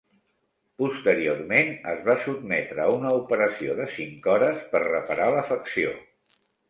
Posteriorment, es va sotmetre a una operació de cinc hores per reparar l'afecció.